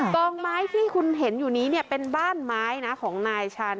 กองไม้ที่คุณเห็นอยู่นี้เป็นบ้านไม้นะของนายชัน